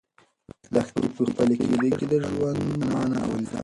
لښتې په خپله کيږدۍ کې د ژوند مانا ولیده.